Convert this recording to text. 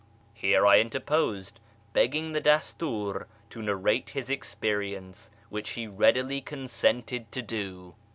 Here I interposed, begging the Dastiir to narrate his experience, which he readily consented to do.